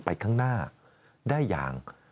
ไปข้างหน้าได้อย่าง